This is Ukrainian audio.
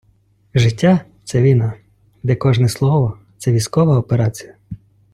Життя — це війна, де кожне слово — це військова операція.